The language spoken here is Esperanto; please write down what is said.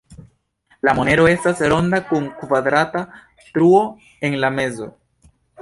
La monero estas ronda kun kvadrata truo en la mezo.